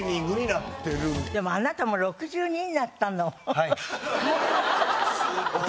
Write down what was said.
はい。